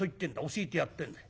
教えてやってんだ。